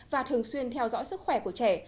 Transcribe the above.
và thường xuyên theo dõi sức khỏe của trẻ